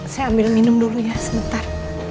saya ambil minum dulu ya sebentar